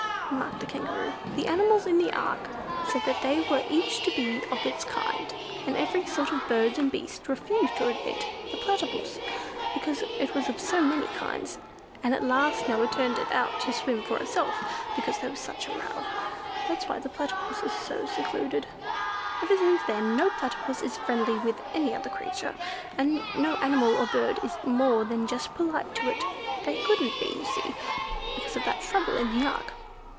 remarked the Kangaroo. "The animals in the ark said they were each to be of its kind, and every sort of bird and beast refused to admit the Platypus, because it was of so many kinds; and at last Noah turned it out to swim for itself, because there was such a row. That's why the Platypus is so secluded. Ever since then no Platypus is friendly with any other creature, and no animal or bird is more than just polite to it. They couldn't be, you see, because of that trouble in the ark."